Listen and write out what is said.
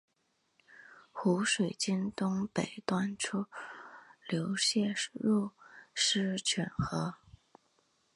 湖水经东北端出流泄入狮泉河。